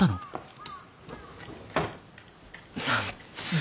何つう。